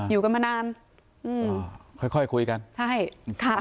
อยู่กันมานานอืมค่อยค่อยคุยกันใช่ค่ะ